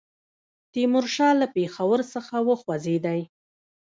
تیمورشاه له پېښور څخه وخوځېدی.